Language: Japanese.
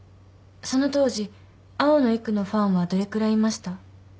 その当時青野郁のファンはどれくらいいました？